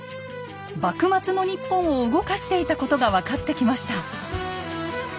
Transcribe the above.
幕末の日本を動かしていたことが分かってきました。